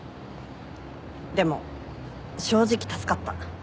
でも正直助かった。